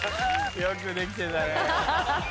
よく出来てたね。